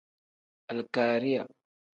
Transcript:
Alikariya.